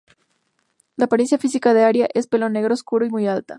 La apariencia física de Aria es pelo negro oscuro y muy alta.